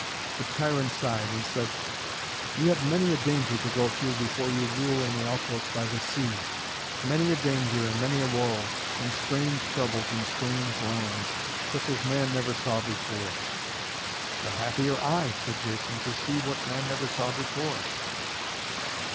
But Cheiron sighed and said, "You have many a danger to go through before you rule in Iolcos by the sea, many a danger and many a woe, and strange troubles in strange lands, such as man never saw before." "The happier I," said Jason, "to see what man never saw before!"